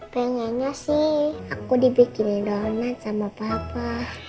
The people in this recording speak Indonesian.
pengennya sih aku dibikin donat sama papa